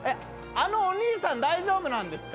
あのお兄さん大丈夫なんですか？